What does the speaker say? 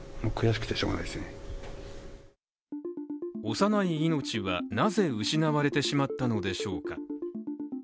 幼い命はなぜ失われてしまったのでしょうか。